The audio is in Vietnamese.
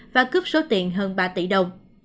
và cướp số tiền hơn ba tỷ đồng